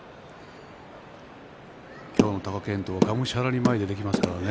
今日の貴健斗はがむしゃらに出てきますからね。